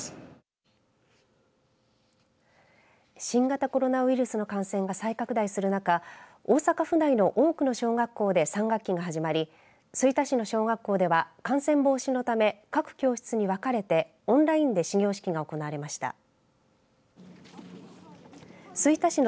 新型コロナウイルスの感染が再拡大する中大阪府内の多くの小学校で３学期が始まり吹田市の小学校では感染防止のため各教室に分かれて、オンラインで始業式が行われました。